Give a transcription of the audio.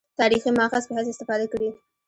تاریخي مأخذ په حیث استفاده کړې.